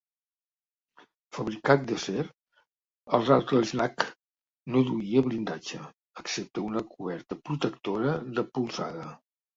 Fabricat d'acer, el "Rattlesnake" no duia blindatge, excepte una coberta protectora de polzada.